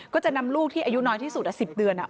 ก็จะนำลูกที่อายุน้อยที่สุด๑๐เดือน